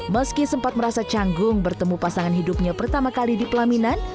meski sempat merasa canggung bertemu pasangan hidupnya pertama kali di pelaminan